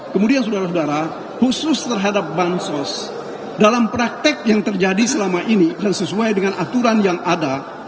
kemudian saudara saudara khusus terhadap bansos dalam praktek yang terjadi selama ini dan sesuai dengan aturan yang ada